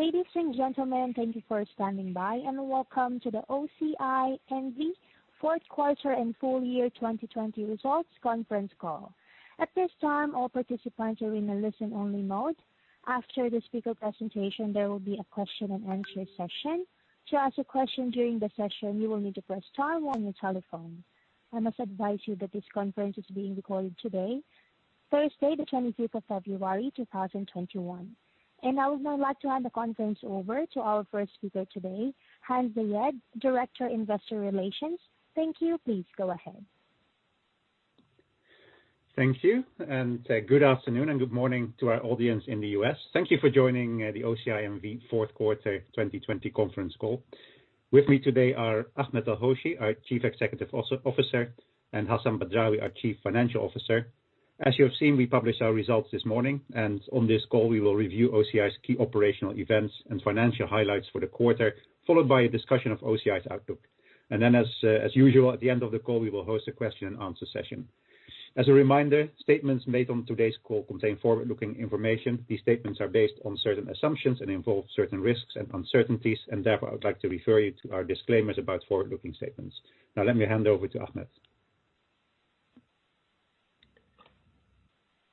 Ladies and gentlemen, thank you for standing by, and welcome to the OCI N.V. fourth quarter and full year 2020 results conference call. At this time, all participants are in a listen-only mode. After the speaker presentation, there will be a question and answer session. To ask a question during the session, you will need to press star on your telephone. I must advise you that this conference is being recorded today, Thursday, the 25th of February, 2021. I would now like to hand the conference over to our first speaker today, Hans Zayed, Director, Investor Relations. Thank you. Please go ahead. Thank you, good afternoon and good morning to our audience in the U.S. Thank you for joining the OCI N.V. fourth quarter 2020 conference call. With me today are Ahmed El-Hoshy, our Chief Executive Officer, and Hassan Badrawi, our Chief Financial Officer. As you have seen, we published our results this morning, and on this call, we will review OCI's key operational events and financial highlights for the quarter, followed by a discussion of OCI's outlook. As usual, at the end of the call, we will host a question and answer session. As a reminder, statements made on today's call contain forward-looking information. These statements are based on certain assumptions and involve certain risks and uncertainties, and therefore, I'd like to refer you to our disclaimers about forward-looking statements. Now let me hand over to Ahmed.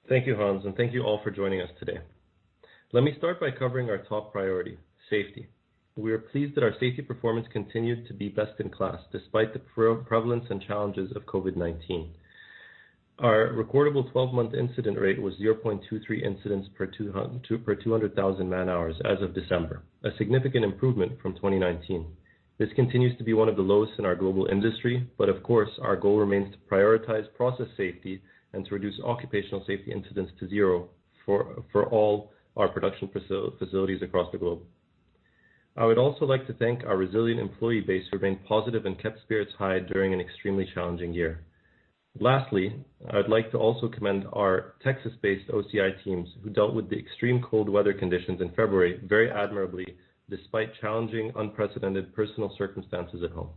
Thank you, Hans, and thank you all for joining us today. Let me start by covering our top priority, safety. We are pleased that our safety performance continued to be best in class, despite the prevalence and challenges of COVID-19. Our recordable 12-month incident rate was 0.23 incidents per 200,000 man-hours as of December, a significant improvement from 2019. This continues to be one of the lowest in our global industry. Of course, our goal remains to prioritize process safety and to reduce occupational safety incidents to zero for all our production facilities across the globe. I would also like to thank our resilient employee base for being positive and kept spirits high during an extremely challenging year. Lastly, I would like to also commend our Texas-based OCI teams who dealt with the extreme cold weather conditions in February very admirably, despite challenging, unprecedented personal circumstances at home.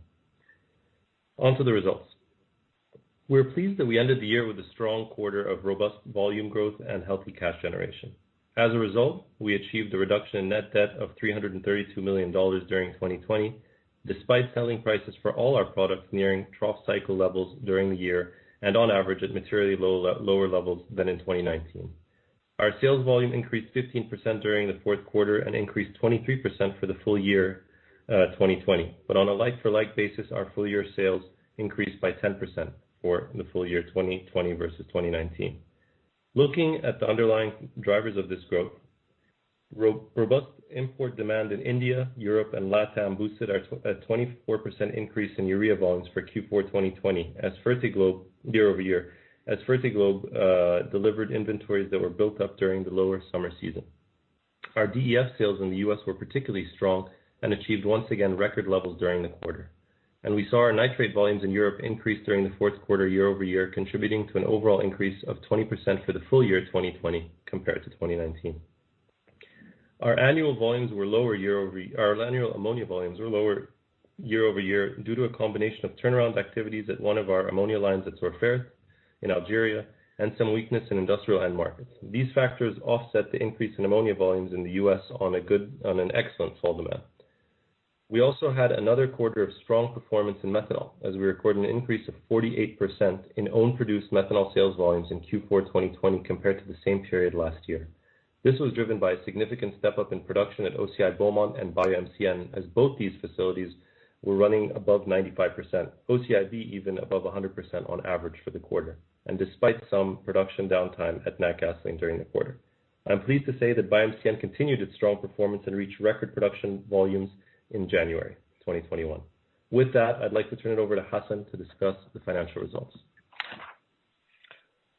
On to the results. We are pleased that we ended the year with a strong quarter of robust volume growth and healthy cash generation. As a result, we achieved a reduction in net debt of $332 million during 2020, despite selling prices for all our products nearing trough cycle levels during the year, and on average at materially lower levels than in 2019. Our sales volume increased 15% during the fourth quarter and increased 23% for the full year 2020. On a like-for-like basis, our full-year sales increased by 10% for the full year 2020 versus 2019. Looking at the underlying drivers of this growth, robust import demand in India, Europe, and LATAM boosted our 24% increase in urea volumes for Q4 2020 year-over-year as Fertiglobe delivered inventories that were built up during the lower summer season. Our DEF sales in the U.S. were particularly strong and achieved once again record levels during the quarter. We saw our nitrate volumes in Europe increase during the fourth quarter year-over-year, contributing to an overall increase of 20% for the full year 2020 compared to 2019. Our annual ammonia volumes were lower year-over-year due to a combination of turnaround activities at one of our ammonia lines at Sorfert in Algeria, and some weakness in industrial end markets. These factors offset the increase in ammonia volumes in the U.S. on an excellent fall demand. We also had another quarter of strong performance in methanol, as we recorded an increase of 48% in own produced methanol sales volumes in Q4 2020 compared to the same period last year. This was driven by a significant step up in production at OCI Beaumont and BioMCN, as both these facilities were running above 95%. OCIB even above 100% on average for the quarter, and despite some production downtime at Natgasoline during the quarter. I'm pleased to say that BioMCN continued its strong performance and reached record production volumes in January 2021. With that, I'd like to turn it over to Hassan to discuss the financial results.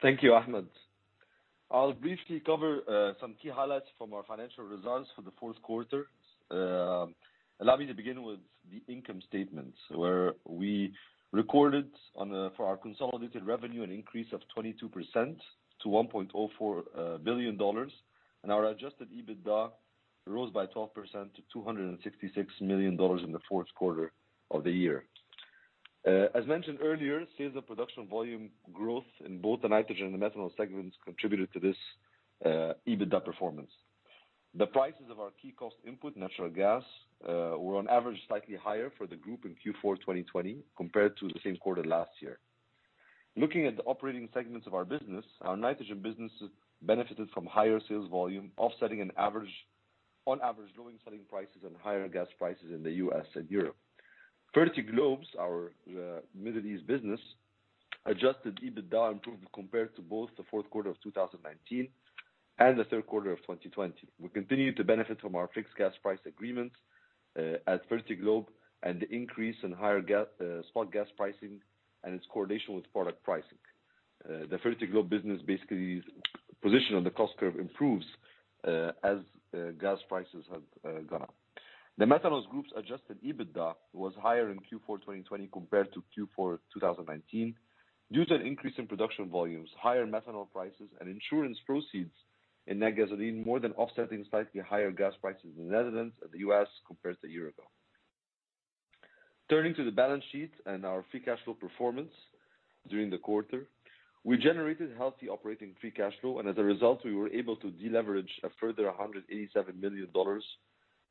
Thank you, Ahmed. I'll briefly cover some key highlights from our financial results for the fourth quarter. Allow me to begin with the income statement, where we recorded for our consolidated revenue an increase of 22% to $1.04 billion, and our adjusted EBITDA rose by 12% to $266 million in the fourth quarter of the year. As mentioned earlier, sales and production volume growth in both the nitrogen and the methanol segments contributed to this EBITDA performance. The prices of our key cost input, natural gas, were on average slightly higher for the group in Q4 2020 compared to the same quarter last year. Looking at the operating segments of our business, our nitrogen business benefited from higher sales volume, offsetting on average low selling prices and higher gas prices in the U.S. and Europe. Fertiglobe's, our Middle East business, adjusted EBITDA improved compared to both the fourth quarter of 2019 and the third quarter of 2020. We continue to benefit from our fixed gas price agreements at Fertiglobe and the increase in higher spot gas pricing and its correlation with product pricing. The Fertiglobe business basically position on the cost curve improves as gas prices have gone up. The Methanol Groups' adjusted EBITDA was higher in Q4 2020 compared to Q4 2019 due to an increase in production volumes, higher methanol prices, and insurance proceeds in Natgasoline more than offsetting slightly higher gas prices in the Netherlands and the U.S. compared to a year ago. Turning to the balance sheet and our free cash flow performance during the quarter. We generated healthy operating free cash flow, as a result, we were able to deleverage a further $187 million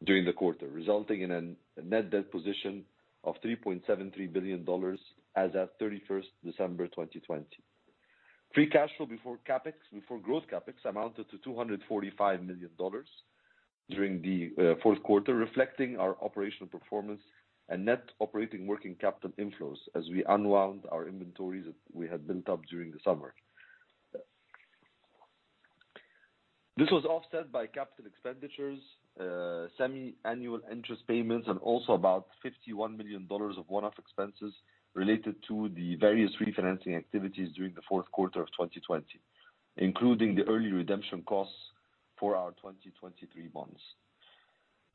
during the quarter, resulting in a net debt position of $3.73 billion as at 31st December 2020. Free cash flow before growth CapEx amounted to $245 million during the fourth quarter, reflecting our operational performance and net operating working capital inflows as we unwound our inventories that we had built up during the summer. This was offset by capital expenditures, semiannual interest payments, also about $51 million of one-off expenses related to the various refinancing activities during the fourth quarter of 2020, including the early redemption costs for our 2023 bonds.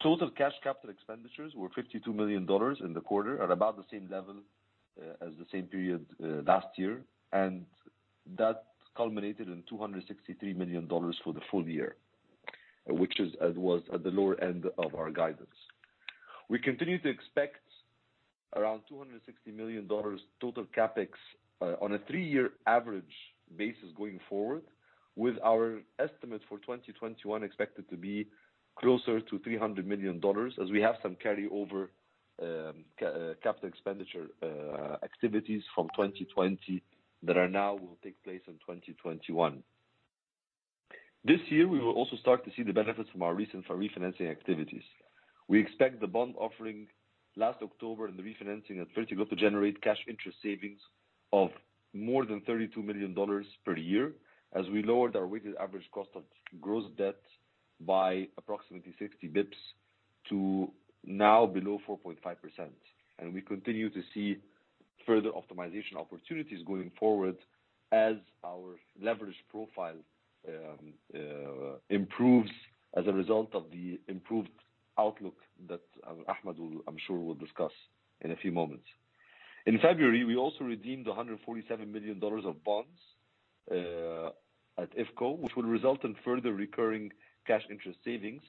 Total cash capital expenditures were $52 million in the quarter, at about the same level as the same period last year. That culminated in $263 million for the full year, which was at the lower end of our guidance. We continue to expect around $260 million total CapEx on a three-year average basis going forward, with our estimate for 2021 expected to be closer to $300 million as we have some carryover capital expenditure activities from 2020 that are now will take place in 2021. This year, we will also start to see the benefits from our recent refinancing activities. We expect the bond offering last October and the refinancing activity to generate cash interest savings of more than $32 million per year, as we lowered our weighted average cost of gross debt by approximately 60 bps to now below 4.5%. We continue to see further optimization opportunities going forward as our leverage profile improves as a result of the improved outlook that Ahmed, I'm sure, will discuss in a few moments. In February, we also redeemed $147 million of bonds at IFCo, which will result in further recurring cash interest savings.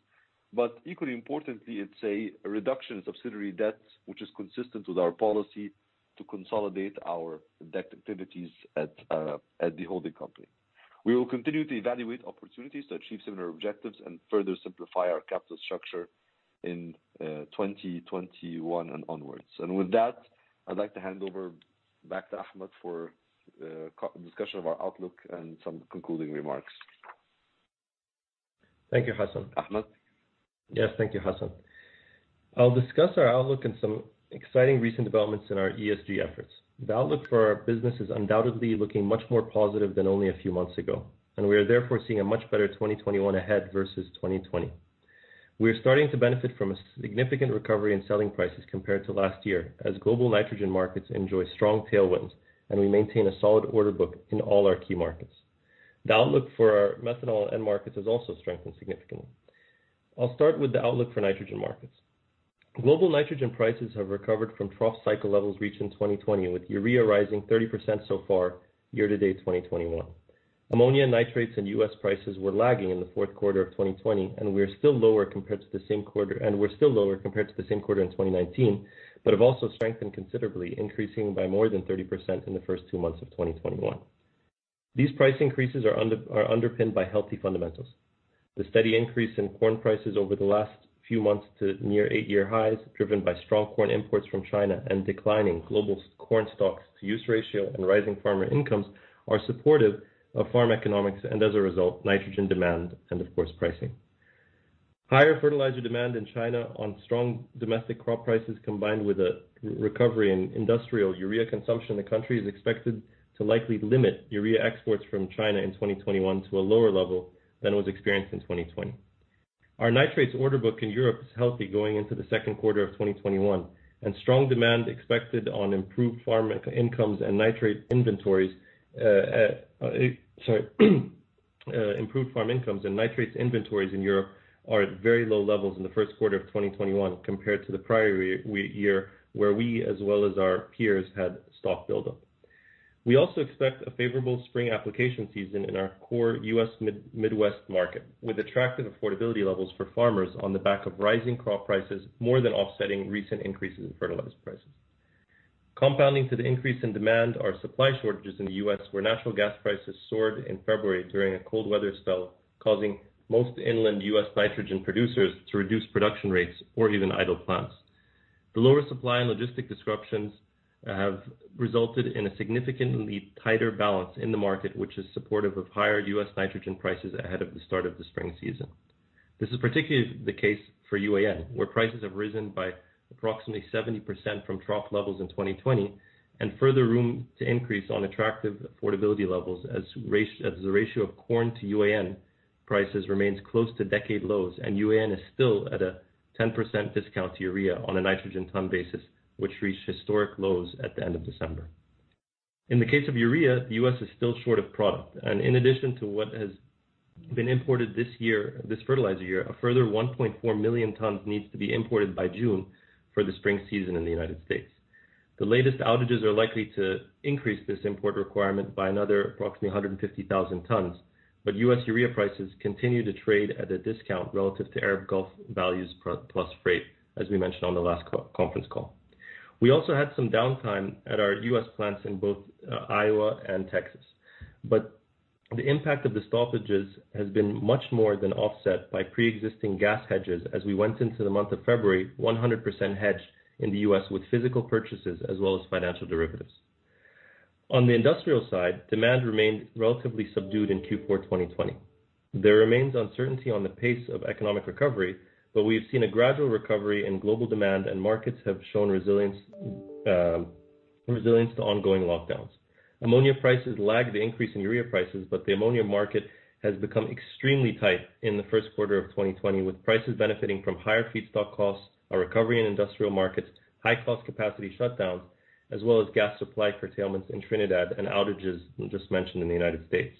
Equally importantly, it's a reduction in subsidiary debts, which is consistent with our policy to consolidate our debt activities at the holding company. We will continue to evaluate opportunities to achieve similar objectives and further simplify our capital structure in 2021 and onwards. With that, I'd like to hand over back to Ahmed for a discussion of our outlook and some concluding remarks. Thank you, Hassan. Ahmed. Yes. Thank you, Hassan. I'll discuss our outlook and some exciting recent developments in our ESG efforts. The outlook for our business is undoubtedly looking much more positive than only a few months ago, and we are therefore seeing a much better 2021 ahead versus 2020. We are starting to benefit from a significant recovery in selling prices compared to last year as global nitrogen markets enjoy strong tailwinds, and we maintain a solid order book in all our key markets. The outlook for our methanol end markets has also strengthened significantly. I'll start with the outlook for nitrogen markets. Global nitrogen prices have recovered from trough cycle levels reached in 2020, with urea rising 30% so far year to date 2021. Ammonia and nitrates in U.S. prices were lagging in the fourth quarter of 2020, and we are still lower compared to the same quarter in 2019, but have also strengthened considerably, increasing by more than 30% in the first two months of 2021. These price increases are underpinned by healthy fundamentals. The steady increase in corn prices over the last few months to near eight-year highs, driven by strong corn imports from China and declining global corn stocks to use ratio and rising farmer incomes are supportive of farm economics and as a result, nitrogen demand and of course, pricing. Higher fertilizer demand in China on strong domestic crop prices, combined with a recovery in industrial urea consumption in the country, is expected to likely limit urea exports from China in 2021 to a lower level than was experienced in 2020. Our nitrates order book in Europe is healthy going into the second quarter of 2021. Strong demand expected on improved farm incomes and nitrate inventories in Europe are at very low levels in the first quarter of 2021 compared to the prior year, where we as well as our peers, had stock buildup. We also expect a favorable spring application season in our core U.S. Midwest market, with attractive affordability levels for farmers on the back of rising crop prices, more than offsetting recent increases in fertilizer prices. Compounding to the increase in demand are supply shortages in the U.S., where natural gas prices soared in February during a cold weather spell, causing most inland U.S. nitrogen producers to reduce production rates or even idle plants. The lower supply and logistic disruptions have resulted in a significantly tighter balance in the market, which is supportive of higher U.S. nitrogen prices ahead of the start of the spring season. This is particularly the case for UAN, where prices have risen by approximately 70% from trough levels in 2020, and further room to increase on attractive affordability levels as the ratio of corn to UAN prices remains close to decade lows and UAN is still at a 10% discount to urea on a nitrogen ton basis, which reached historic lows at the end of December. In the case of urea, the U.S. is still short of product, and in addition to what has been imported this fertilizer year, a further 1.4 million tons needs to be imported by June for the spring season in the United States. The latest outages are likely to increase this import requirement by another approximately 150,000 tons, but U.S. urea prices continue to trade at a discount relative to Arab Gulf values plus freight, as we mentioned on the last conference call. We also had some downtime at our U.S. plants in both Iowa and Texas. The impact of the stoppages has been much more than offset by preexisting gas hedges as we went into the month of February 100% hedged in the U.S. with physical purchases as well as financial derivatives. On the industrial side, demand remained relatively subdued in Q4 2020. There remains uncertainty on the pace of economic recovery, but we've seen a gradual recovery in global demand, and markets have shown resilience to ongoing lockdowns. Ammonia prices lag the increase in urea prices, but the ammonia market has become extremely tight in the first quarter of 2020, with prices benefiting from higher feedstock costs, a recovery in industrial markets, high-cost capacity shutdowns, as well as gas supply curtailments in Trinidad, and outages just mentioned in the United States.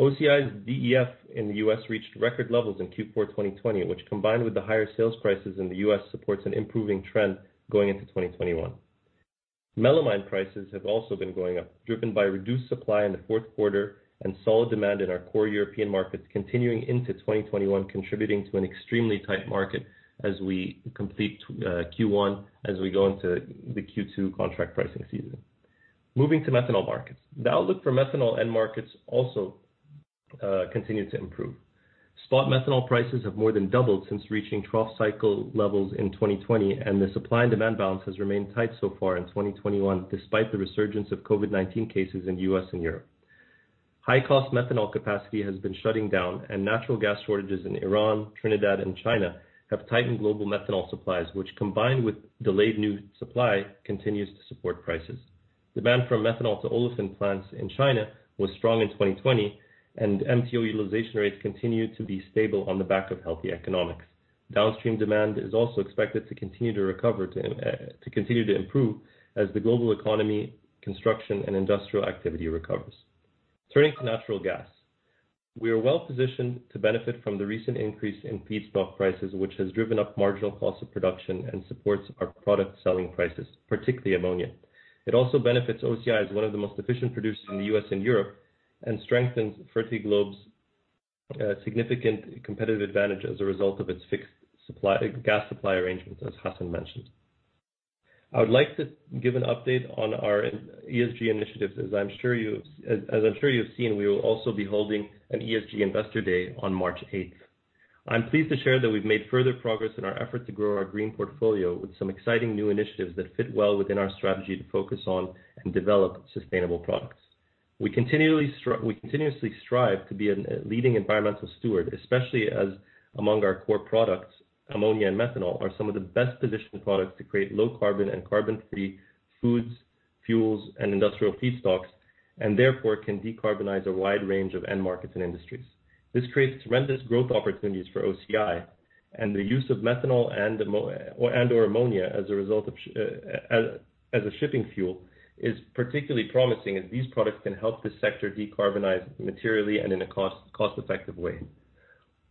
OCI's DEF in the U.S. reached record levels in Q4 2020, which, combined with the higher sales prices in the U.S., supports an improving trend going into 2021. melamine prices have also been going up, driven by reduced supply in the fourth quarter and solid demand in our core European markets continuing into 2021, contributing to an extremely tight market as we complete Q1, as we go into the Q2 contract pricing season. Moving to methanol markets. The outlook for methanol end markets also continue to improve. Spot methanol prices have more than doubled since reaching trough cycle levels in 2020. The supply and demand balance has remained tight so far in 2021, despite the resurgence of COVID-19 cases in the U.S. and Europe. High-cost methanol capacity has been shutting down. Natural gas shortages in Iran, Trinidad, and China have tightened global methanol supplies, which, combined with delayed new supply, continues to support prices. Demand for methanol to olefin plants in China was strong in 2020. MTO utilization rates continued to be stable on the back of healthy economics. Downstream demand is also expected to continue to improve as the global economy, construction, and industrial activity recovers. Turning to natural gas. We are well-positioned to benefit from the recent increase in feedstock prices, which has driven up marginal cost of production and supports our product selling prices, particularly ammonia. It also benefits OCI as one of the most efficient producers in the U.S. and Europe and strengthens Fertiglobe's significant competitive advantage as a result of its fixed gas supply arrangements, as Hassan mentioned. I would like to give an update on our ESG initiatives. As I'm sure you've seen, we will also be holding an ESG Investor Day on March 8th. I'm pleased to share that we've made further progress in our effort to grow our green portfolio with some exciting new initiatives that fit well within our strategy to focus on and develop sustainable products. We continuously strive to be a leading environmental steward, especially as among our core products, ammonia and methanol are some of the best-positioned products to create low-carbon and carbon-free foods, fuels, and industrial feedstocks, and therefore can decarbonize a wide range of end markets and industries. This creates tremendous growth opportunities for OCI, and the use of methanol and/or ammonia as a shipping fuel is particularly promising, as these products can help this sector decarbonize materially and in a cost-effective way.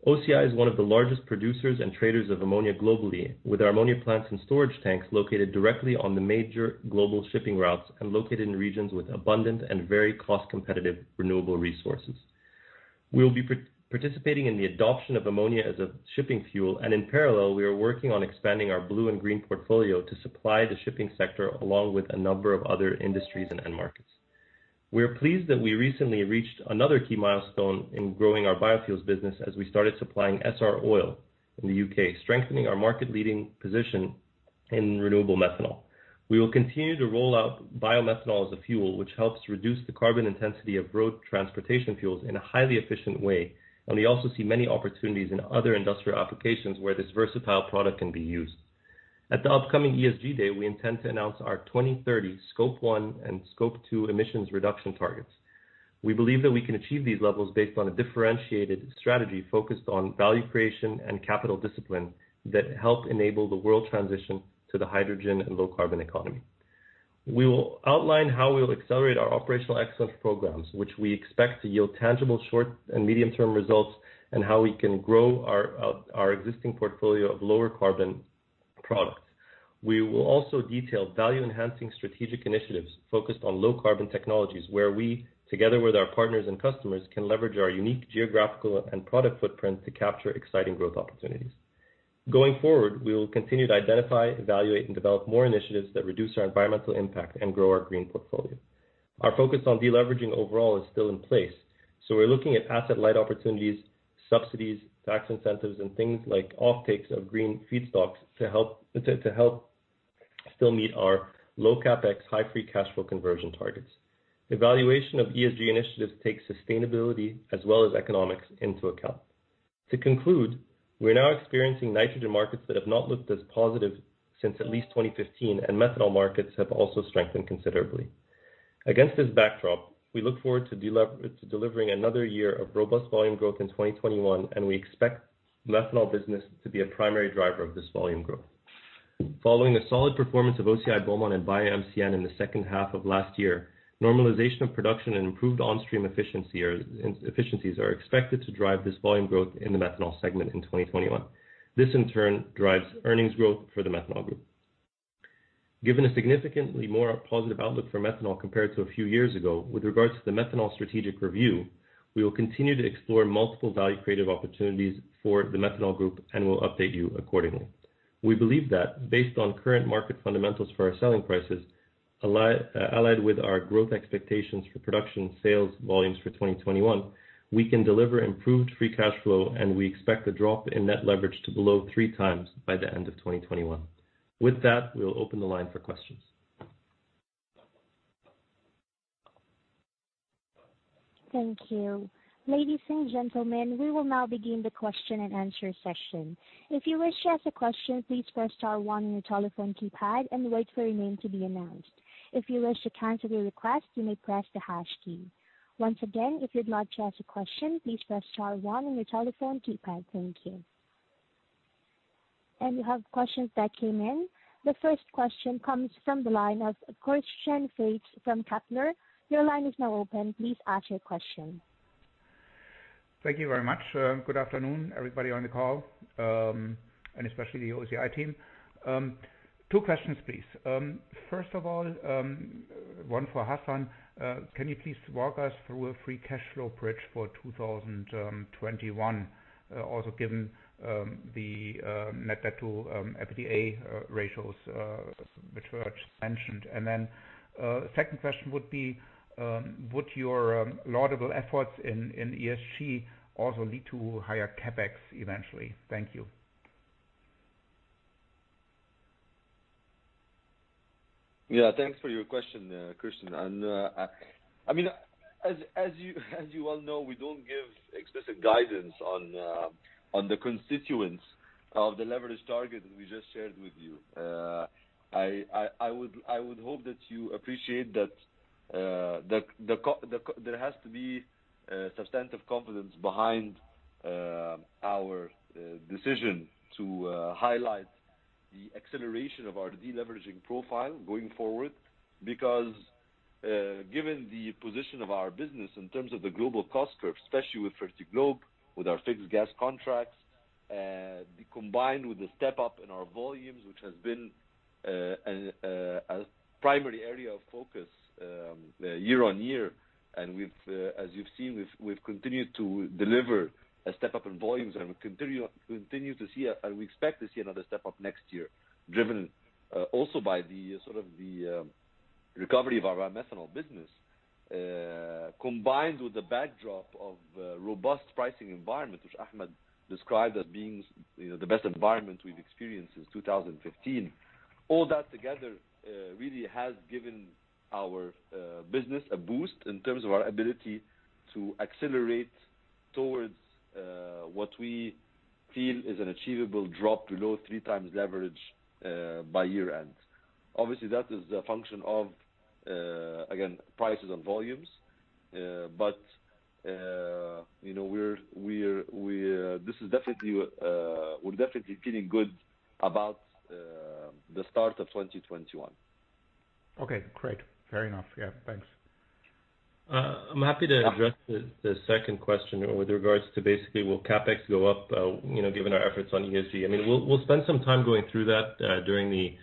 OCI is one of the largest producers and traders of ammonia globally, with our ammonia plants and storage tanks located directly on the major global shipping routes and located in regions with abundant and very cost-competitive renewable resources. In parallel, we are working on expanding our blue and green portfolio to supply the shipping sector, along with a number of other industries and end markets. We are pleased that we recently reached another key milestone in growing our biofuels business as we started supplying Essar oil in the U.K., strengthening our market-leading position in renewable methanol. We will continue to roll out biomethanol as a fuel, which helps reduce the carbon intensity of road transportation fuels in a highly efficient way, and we also see many opportunities in other industrial applications where this versatile product can be used. At the upcoming ESG day, we intend to announce our 2030 Scope 1 and Scope 2 emissions reduction targets. We believe that we can achieve these levels based on a differentiated strategy focused on value creation and capital discipline that help enable the world transition to the hydrogen and low-carbon economy. We will outline how we'll accelerate our operational excellence programs, which we expect to yield tangible short- and medium-term results, and how we can grow our existing portfolio of lower carbon products. We will also detail value-enhancing strategic initiatives focused on low-carbon technologies where we, together with our partners and customers, can leverage our unique geographical and product footprint to capture exciting growth opportunities. Going forward, we will continue to identify, evaluate, and develop more initiatives that reduce our environmental impact and grow our green portfolio. Our focus on deleveraging overall is still in place. We're looking at asset-light opportunities, subsidies, tax incentives, and things like offtakes of green feedstocks to help still meet our low CapEx, high free cash flow conversion targets. The valuation of ESG initiatives takes sustainability as well as economics into account. To conclude, we are now experiencing nitrogen markets that have not looked as positive since at least 2015, and methanol markets have also strengthened considerably. Against this backdrop, we look forward to delivering another year of robust volume growth in 2021, and we expect methanol business to be a primary driver of this volume growth. Following a solid performance of OCI Beaumont and BioMCN in the second half of last year, normalization of production and improved on-stream efficiencies are expected to drive this volume growth in the methanol segment in 2021. This, in turn, drives earnings growth for the methanol group. Given a significantly more positive outlook for methanol compared to a few years ago, with regards to the methanol strategic review, we will continue to explore multiple value creative opportunities for the methanol group and will update you accordingly. We believe that based on current market fundamentals for our selling prices, allied with our growth expectations for production sales volumes for 2021, we can deliver improved free cash flow, and we expect a drop in net leverage to below 3x by the end of 2021. With that, we will open the line for questions. Thank you. Ladies and gentlemen, we will now begin the question and answer session. If you wish to ask a question, please press star one on your telephone keypad and wait for your name to be announced. If you wish to cancel your request, you may press the hash key. Once again, if you'd like to ask a question, please press star one on your telephone keypad. Thank you. You have questions that came in. The first question comes from the line of Christian Faitz from Kepler Cheuvreux. Your line is now open. Please ask your question. Thank you very much. Good afternoon, everybody on the call, and especially the OCI team. Two questions, please. First of all, one for Hassan. Can you please walk us through a free cash flow bridge for 2021? Also given the net debt to EBITDA ratios, which were just mentioned. Second question would be, would your laudable efforts in ESG also lead to higher CapEx eventually? Thank you. Yeah, thanks for your question, Christian. As you well know, we don't give explicit guidance on the constituents of the leverage target that we just shared with you. I would hope that you appreciate that there has to be substantive confidence behind our decision to highlight the acceleration of our de-leveraging profile going forward. Given the position of our business in terms of the global cost curve, especially with Fertiglobe, with our fixed gas contracts, combined with the step-up in our volumes, which has been a primary area of focus year-on-year. As you've seen, we've continued to deliver a step-up in volumes and we continue to see, and we expect to see another step-up next year, driven also by the sort of the recovery of our methanol business. Combined with the backdrop of a robust pricing environment, which Ahmed described as being the best environment we've experienced since 2015. All that together really has given our business a boost in terms of our ability to accelerate towards what we feel is an achievable drop to low three times leverage by year-end. Obviously, that is a function of, again, prices and volumes. We're definitely feeling good about the start of 2021. Okay, great. Fair enough. Yeah, thanks. I'm happy to address the second question with regards to basically will CapEx go up given our efforts on ESG? We'll spend some time going through that during the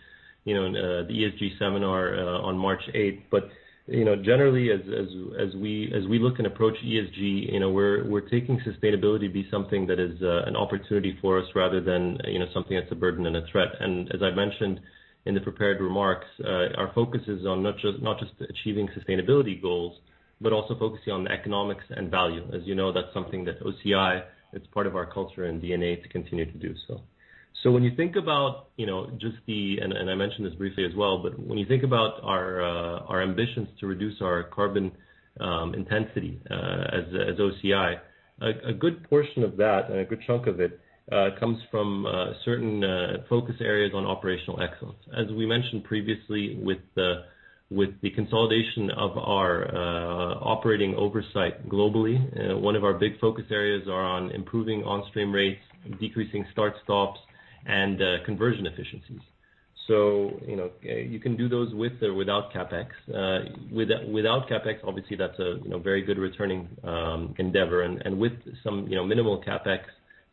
ESG seminar on March 8th. Generally as we look and approach ESG, we're taking sustainability to be something that is an opportunity for us rather than something that's a burden and a threat. As I mentioned in the prepared remarks, our focus is on not just achieving sustainability goals, but also focusing on the economics and value. As you know, that's something that OCI, it's part of our culture and DNA to continue to do so. I mentioned this briefly as well, but when you think about our ambitions to reduce our carbon intensity as OCI, a good portion of that and a good chunk of it, comes from certain focus areas on operational excellence. As we mentioned previously with the consolidation of our operating oversight globally, one of our big focus areas are on improving on-stream rates, decreasing start-stops, and conversion efficiencies. You can do those with or without CapEx. Without CapEx, obviously that's a very good returning endeavor. With some minimal CapEx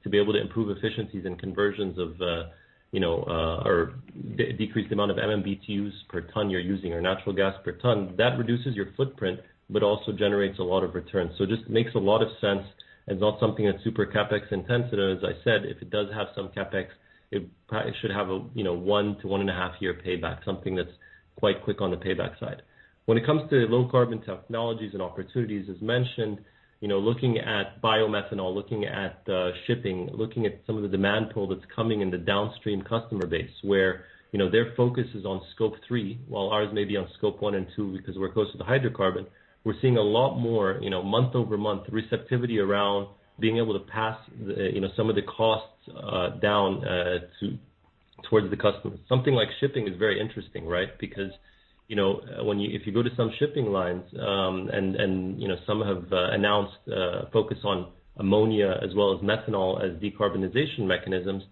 to be able to improve efficiencies and conversions of or decrease the amount of MMBtu per ton you're using or natural gas per ton, that reduces your footprint, but also generates a lot of returns. It just makes a lot of sense, and it's not something that's super CapEx intensive. As I said, if it does have some CapEx, it should have a one to one and a half-year payback, something that's quite quick on the payback side. When it comes to low carbon technologies and opportunities, as mentioned, looking at biomethanol, looking at shipping, looking at some of the demand pool that's coming in the downstream customer base. Where their focus is on Scope 3, while ours may be on Scope 1 and 2 because we're closer to hydrocarbon. We're seeing a lot more month-over-month receptivity around being able to pass some of the costs down towards the customer. Something like shipping is very interesting, right? If you go to some shipping lines, and some have announced a focus on ammonia as well as methanol as decarbonization mechanisms.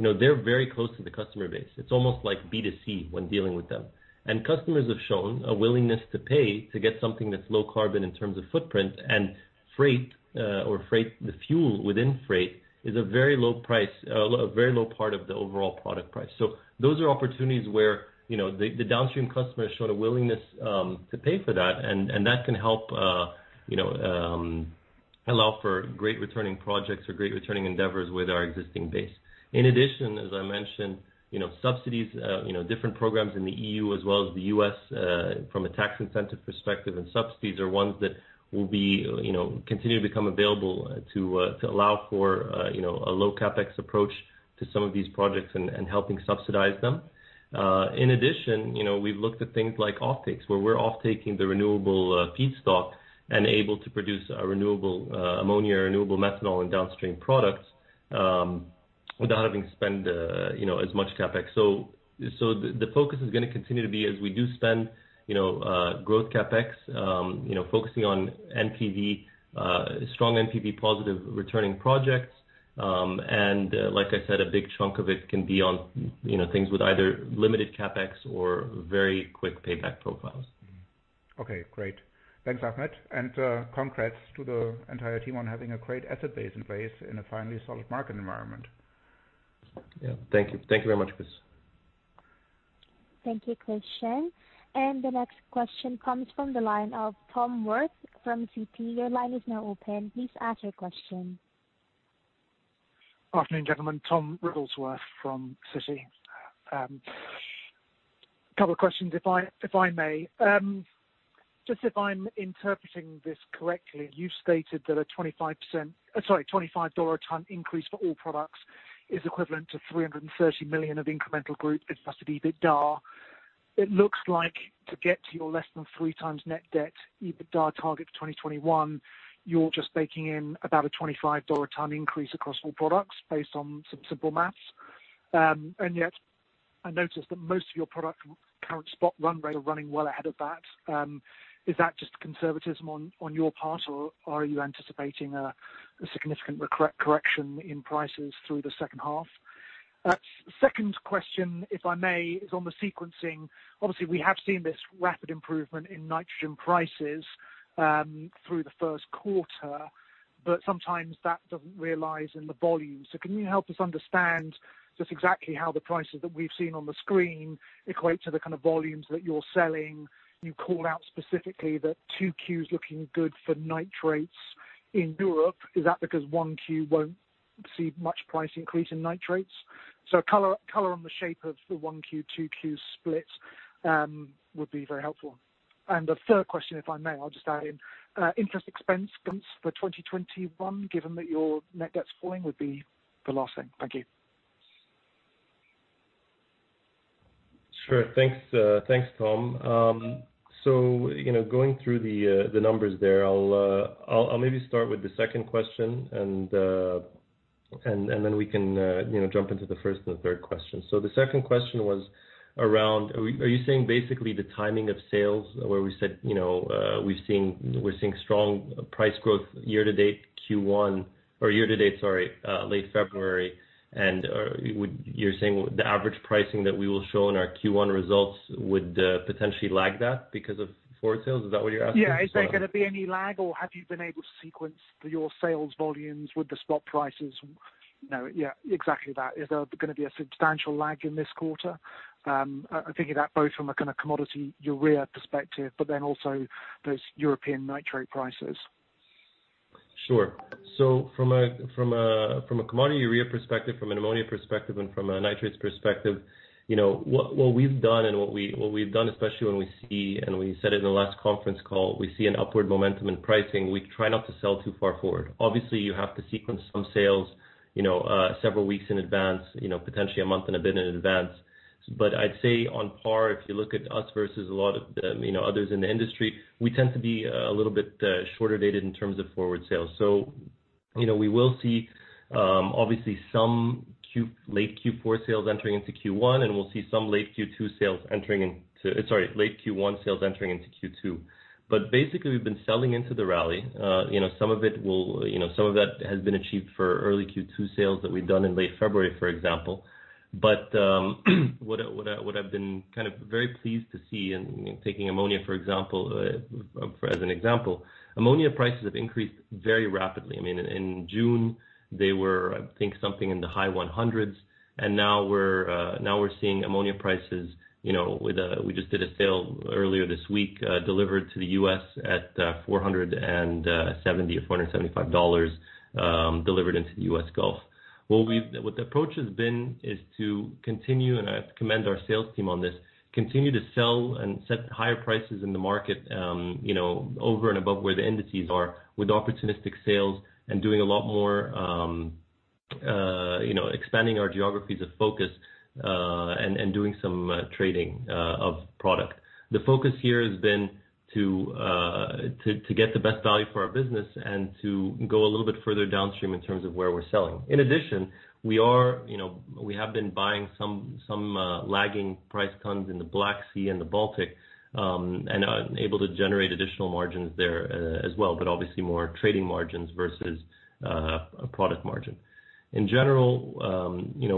They're very close to the customer base. It's almost like B2C when dealing with them. Customers have shown a willingness to pay to get something that's low carbon in terms of footprint and freight, or the fuel within freight is a very low part of the overall product price. Those are opportunities where the downstream customer has shown a willingness to pay for that, and that can help allow for great returning projects or great returning endeavors with our existing base. In addition, as I mentioned, subsidies, different programs in the EU as well as the U.S. from a tax incentive perspective and subsidies are ones that will continue to become available to allow for a low CapEx approach to some of these projects and helping subsidize them. In addition, we've looked at things like offtakes, where we're off-taking the renewable feedstock and able to produce a renewable ammonia or renewable methanol and downstream products, without having to spend as much CapEx. The focus is going to continue to be as we do spend growth CapEx focusing on strong NPV positive returning projects. Like I said, a big chunk of it can be on things with either limited CapEx or very quick payback profiles. Okay, great. Thanks, Ahmed, and congrats to the entire team on having a great asset base in place in a finally solid market environment. Yeah. Thank you very much, Chris. Thank you, Christian. The next question comes from the line of Tom Wrigglesworth from Citi. Your line is now open. Please ask your question. Afternoon, gentlemen. Tom Wrigglesworth from Citi. A couple of questions, if I may. Just if I'm interpreting this correctly, you've stated that a 25% Sorry, $25 ton increase for all products is equivalent to $330 million of incremental group adjusted EBITDA. It looks like to get to your less than three times net debt EBITDA target for 2021, you're just baking in about a $25 a ton increase across all products based on some simple maths. Yet I notice that most of your product current spot run rate are running well ahead of that. Is that just conservatism on your part, or are you anticipating a significant correction in prices through the second half? Second question, if I may, is on the sequencing. Obviously, we have seen this rapid improvement in nitrogen prices through the first quarter, sometimes that doesn't realize in the volume. Can you help us understand just exactly how the prices that we've seen on the screen equate to the kind of volumes that you're selling? You call out specifically that 2Q's looking good for nitrates in Europe. Is that because 1Q won't see much price increase in nitrates? Color on the shape of the 1Q, 2Q split would be very helpful. A third question, if I may, I'll just add in. Interest expense guidance for 2021, given that your net debt's falling, would be the last thing. Thank you. Sure. Thanks, Tom. Going through the numbers there, I'll maybe start with the second question and then we can jump into the first and the third question. The second question was around, are you saying basically the timing of sales where we said we're seeing strong price growth year to date Q1 or year to date, sorry, late February, and you're saying the average pricing that we will show in our Q1 results would potentially lag that because of forward sales? Is that what you're asking? Yeah. Is there going to be any lag, or have you been able to sequence your sales volumes with the spot prices? Yeah, exactly that. Is there going to be a substantial lag in this quarter? I'm thinking that both from a commodity urea perspective, but then also those European nitrate prices. Sure. From a commodity urea perspective, from an ammonia perspective, and from a nitrates perspective, what we've done especially when we see, and we said it in the last conference call, we see an upward momentum in pricing, we try not to sell too far forward. Obviously, you have to sequence some sales several weeks in advance, potentially a month and a bit in advance. I'd say on par, if you look at us versus a lot of others in the industry, we tend to be a little bit shorter dated in terms of forward sales. We will see obviously some late Q4 sales entering into Q1, and we'll see some late Q2 sales entering into Sorry, late Q1 sales entering into Q2. Basically, we've been selling into the rally. Some of that has been achieved for early Q2 sales that we've done in late February, for example. What I've been very pleased to see in taking ammonia, for example, ammonia prices have increased very rapidly. In June, they were, I think, something in the high 100s, and now we're seeing ammonia prices, we just did a sale earlier this week delivered to the U.S. at $470 or $475 delivered into the U.S. Gulf. What the approach has been is to continue, and I commend our sales team on this, continue to sell and set higher prices in the market over and above where the indices are with opportunistic sales and doing a lot more expanding our geographies of focus and doing some trading of product. The focus here has been to get the best value for our business and to go a little bit further downstream in terms of where we're selling. In addition, we have been buying some lagging price tons in the Black Sea and the Baltic, and are able to generate additional margins there as well, but obviously more trading margins versus a product margin. In general,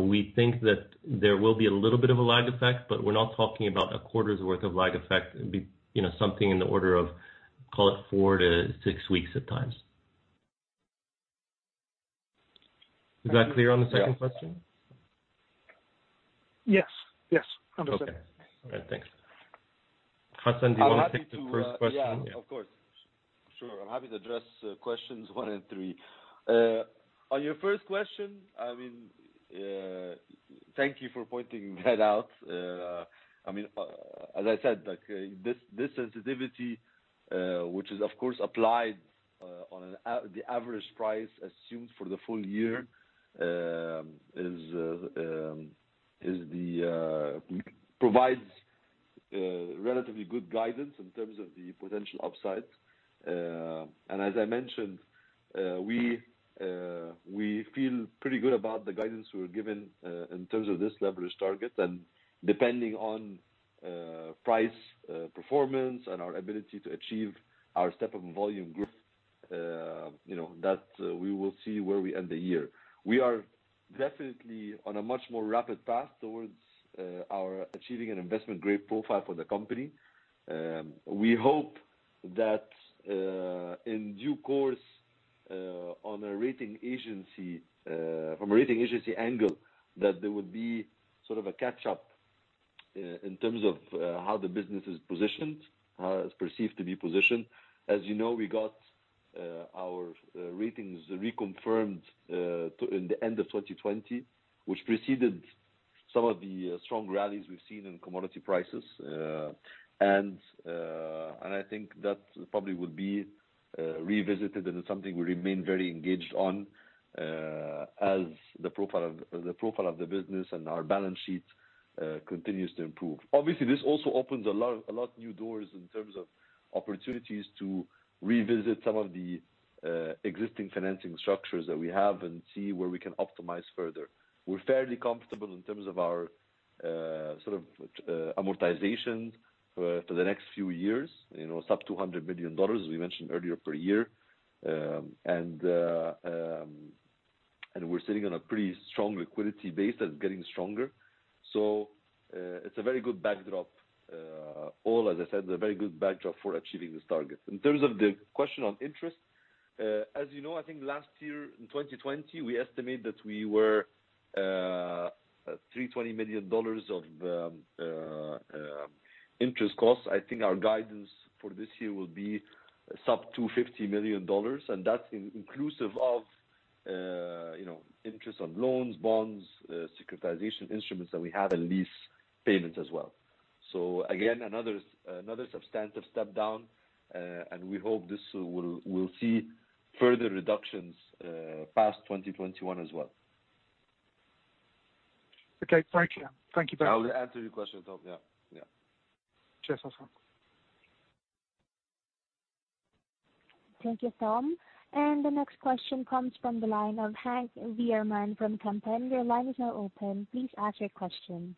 we think that there will be a little bit of a lag effect, but we're not talking about a quarter's worth of lag effect. It would be something in the order of, call it four to six weeks at times. Is that clear on the second question? Yes. Understood. Okay. All right, thanks. Hassan, do you want to take the first question? Yeah, of course. Sure. I'm happy to address questions one and three. On your first question, thank you for pointing that out. As I said, this sensitivity, which is of course applied on the average price assumed for the full year, provides relatively good guidance in terms of the potential upside. As I mentioned, we feel pretty good about the guidance we were given in terms of this leverage target. Depending on price performance and our ability to achieve our step-up in volume growth, that we will see where we end the year. We are definitely on a much more rapid path towards achieving an investment-grade profile for the company. We hope that in due course, from a rating agency angle, that there would be sort of a catch-up in terms of how the business is perceived to be positioned. As you know, we got our ratings reconfirmed in the end of 2020, which preceded some of the strong rallies we've seen in commodity prices. I think that probably would be revisited and is something we remain very engaged on as the profile of the business and our balance sheet continues to improve. Obviously, this also opens a lot new doors in terms of opportunities to revisit some of the existing financing structures that we have and see where we can optimize further. We're fairly comfortable in terms of our sort of amortization for the next few years. It's upto $200 billion, as we mentioned earlier, per year. We're sitting on a pretty strong liquidity base that's getting stronger. It's a very good backdrop. All as I said, it's a very good backdrop for achieving this target. In terms of the question on interest, as you know, I think last year in 2020, we estimate that we were at $320 million of interest costs. I think our guidance for this year will be sub $250 million, and that's inclusive of interest on loans, bonds, securitization instruments that we have and lease payments as well. Again, another substantive step down, and we hope this will see further reductions past 2021 as well. Okay. Thank you. I will answer your question, Tom. Yeah. Cheers, Hassan. Thank you, Tom. The next question comes from the line of Henk Veerman from Kempen. Your line is now open. Please ask your question.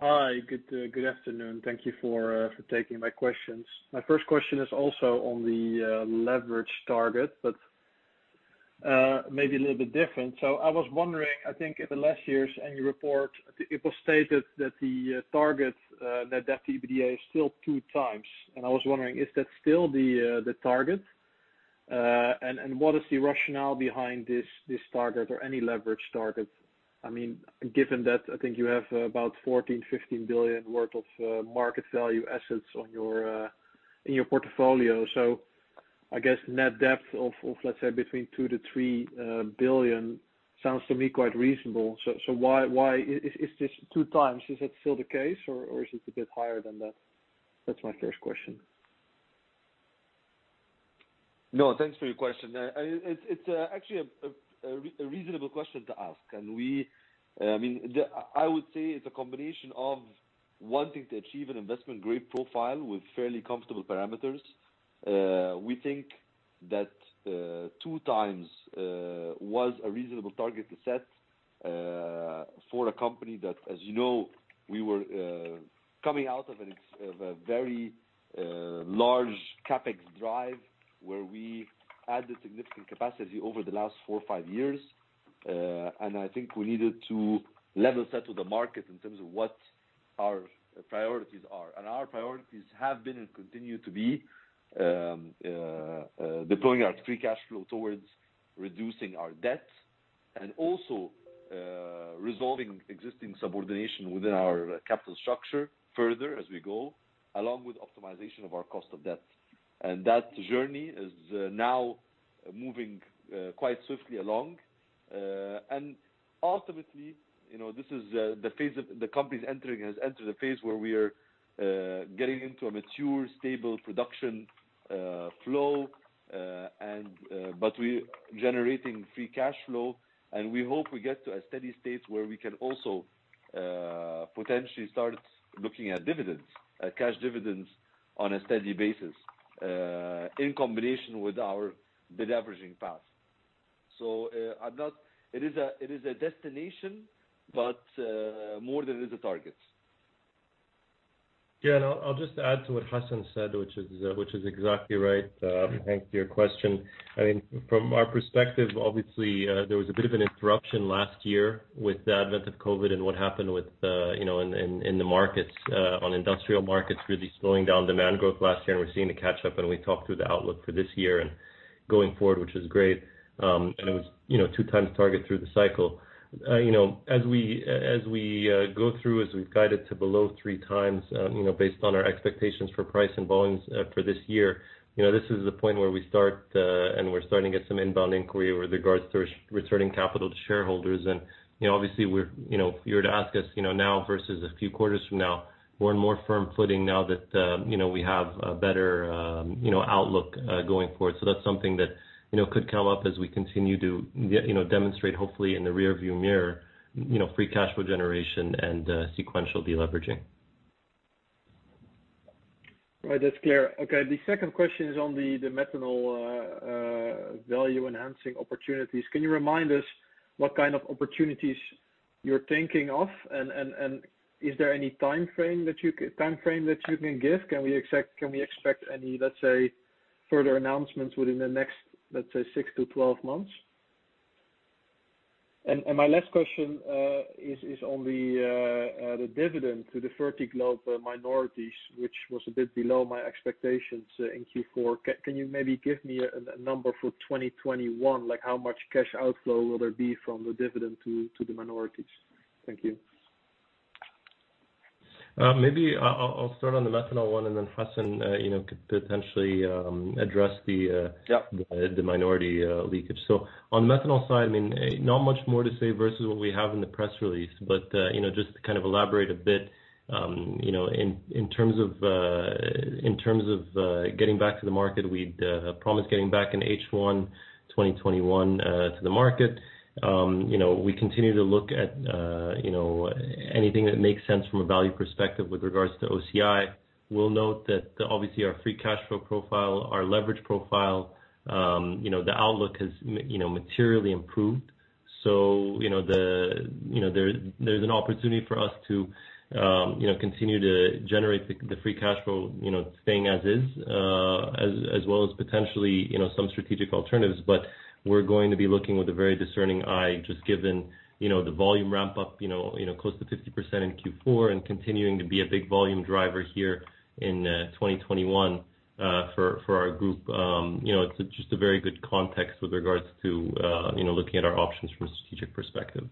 Hi. Good afternoon. Thank you for taking my questions. My first question is also on the leverage target, maybe a little bit different. I was wondering, I think in the last year's annual report, it was stated that the target net debt to EBITDA is still two times. I was wondering, is that still the target? What is the rationale behind this target or any leverage target? Given that I think you have about $14, $15 billion worth of market value assets in your portfolio. I guess net debt of, let's say between $2 billion-$3 billion sounds to me quite reasonable. Why is this 2x? Is that still the case or is it a bit higher than that? That's my first question. No, thanks for your question. It's actually a reasonable question to ask. I would say it's a combination of wanting to achieve an investment-grade profile with fairly comfortable parameters. We think that 2x was a reasonable target to set for a company that, as you know, we were coming out of a very large CapEx drive where we added significant capacity over the last four or five years. I think we needed to level set with the market in terms of what our priorities are. Our priorities have been and continue to be deploying our free cash flow towards reducing our debt and also resolving existing subordination within our capital structure further as we go, along with optimization of our cost of debt. That journey is now moving quite swiftly along. Ultimately, the company has entered a phase where we are getting into a mature, stable production flow. We're generating free cash flow, and we hope we get to a steady state where we can also potentially start looking at dividends, at cash dividends on a steady basis, in combination with our de-leveraging path. It is a destination, but more than it is a target. I'll just add to what Hassan said, which is exactly right. Thanks for your question. From our perspective, obviously, there was a bit of an interruption last year with the advent of COVID-19 and what happened in the markets, on industrial markets really slowing down demand growth last year, and we're seeing a catch-up, and we talked through the outlook for this year and going forward, which is great. It was 2x target through the cycle. As we go through, as we've guided to below 3x based on our expectations for price and volumes for this year, this is the point where we start, and we're starting to get some inbound inquiry with regards to returning capital to shareholders. Obviously if you were to ask us now versus a few quarters from now, we're in more firm footing now that we have a better outlook going forward. That's something that could come up as we continue to demonstrate hopefully in the rear view mirror, free cash flow generation and sequential de-leveraging. Right. That's clear. Okay. The second question is on the methanol value-enhancing opportunities. Can you remind us what kind of opportunities you're thinking of? Is there any timeframe that you can give? Can we expect any, let's say, further announcements within the next, let's say, six-12 months? My last question is on the dividend to the Fertiglobe minorities, which was a bit below my expectations in Q4. Can you maybe give me a number for 2021? How much cash outflow will there be from the dividend to the minorities? Thank you. Maybe I'll start on the methanol one, and then Hassan could potentially address. Yeah The minority leakage. On the methanol side, not much more to say versus what we have in the press release, but just to kind of elaborate a bit, in terms of getting back to the market, we'd promised getting back in H1 2021 to the market. We continue to look at anything that makes sense from a value perspective with regards to OCI. We'll note that obviously our free cash flow profile, our leverage profile, the outlook has materially improved. There's an opportunity for us to continue to generate the free cash flow staying as is, as well as potentially some strategic alternatives. We're going to be looking with a very discerning eye, just given the volume ramp-up close to 50% in Q4 and continuing to be a big volume driver here in 2021 for our group. It's just a very good context with regards to looking at our options from a strategic perspective.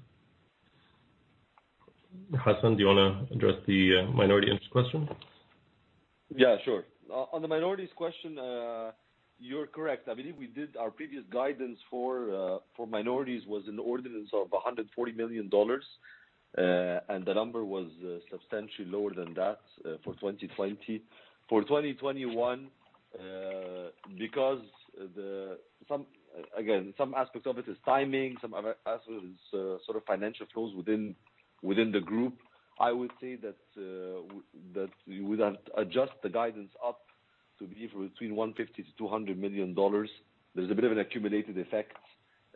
Hassan, do you want to address the minority interest question? Yeah, sure. On the minorities question, you're correct. I believe we did our previous guidance for minorities was in the order of $140 million, and the number was substantially lower than that for 2020. For 2021, because, again, some aspects of it is timing, some other aspects is sort of financial flows within the group, I would say that we would adjust the guidance up to be between $150 million-$200 million. There's a bit of an accumulated effect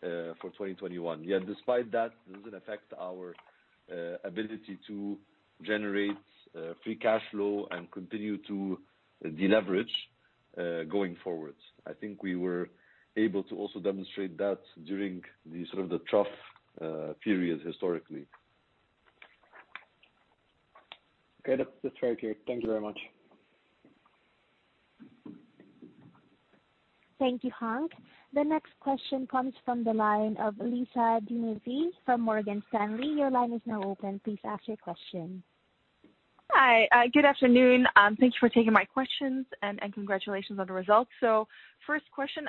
for 2021. Despite that, it doesn't affect our ability to generate free cash flow and continue to deleverage going forward. I think we were able to also demonstrate that during the sort of the trough period historically. Okay. That's right here. Thank you very much. Thank you, Henk. The next question comes from the line of Lisa De Neve from Morgan Stanley. Your line is now open. Please ask your question. Hi. Good afternoon. Thanks for taking my questions, and congratulations on the results. First question,